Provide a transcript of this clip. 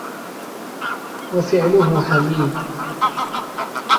وَفِعْلُهُ حَمِيدٌ